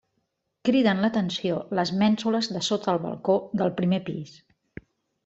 Criden l'atenció les mènsules de sota el balcó del primer pis.